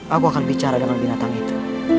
aku akan bicara dengan binatang itu